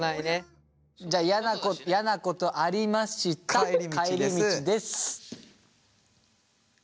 じゃあやなことありました帰り道です。